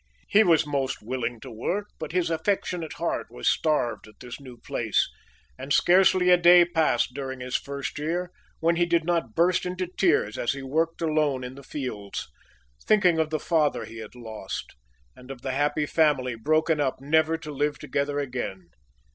He was most willing to work; but his affectionate heart was starved at his new place; and scarcely a day passed during his first year when he did not burst into tears as he worked alone in the fields, thinking of the father he had lost, and of the happy family broken up never to live together again.